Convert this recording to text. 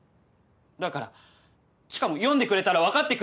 だから知花も読んでくれたら分かってくれる。